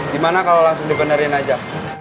gimana kalau langsung dibenerin aja